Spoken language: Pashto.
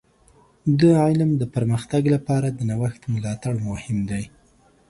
د علم د پرمختګ لپاره د نوښت ملاتړ مهم دی.